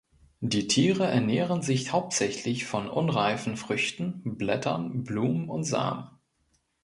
Die Tiere ernähren sich hauptsächlich von unreifen Früchten, Blättern, Blumen und Samen.